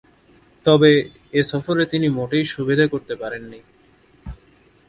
তবে, এ সফরে তিনি মোটেই সুবিধে করতে পারেননি।